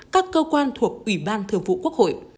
các cơ quan thuộc ủy ban thường vụ quốc hội